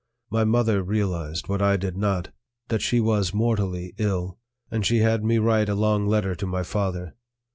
My mother realized what I did not, that she was mortally ill, and she had me write a long letter to my father.